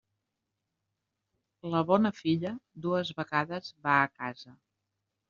La bona filla, dues vegades va a casa.